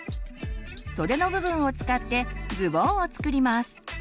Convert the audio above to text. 袖の部分を使ってズボンを作ります。